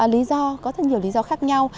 lý do có rất nhiều lý do khác nhau